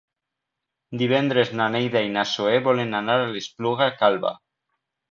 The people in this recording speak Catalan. Divendres na Neida i na Zoè volen anar a l'Espluga Calba.